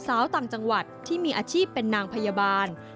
สาวต่างจังหวัดที่มีอาชีพเป็นนางพยาบาล